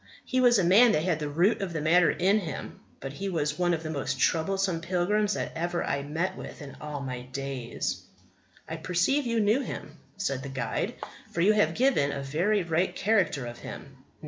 He was a man that had the root of the matter in him; but he was one of the most troublesome pilgrims that ever I met with in all my days." "I perceive you knew him," said the guide, "for you have given a very right character of him."